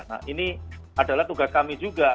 nah ini adalah tugas kami juga